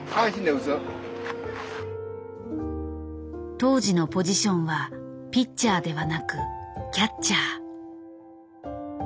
当時のポジションはピッチャーではなくキャッチャー。